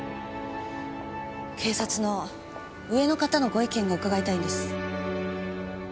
警察の上の方のご意見を伺いたいんです。